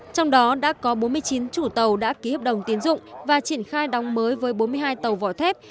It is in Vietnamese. trong đó đã có bốn mươi chín chủ tàu đã ký hợp đồng tiến dụng và triển khai đóng mới với bốn mươi hai tàu vỏ thép